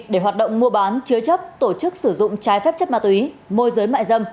để hoạt động mua bán chứa chấp tổ chức sử dụng trái phép chất ma túy môi giới mại dâm